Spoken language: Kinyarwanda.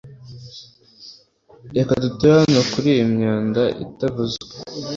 reka duture hano kuriyi myanda itavuzwe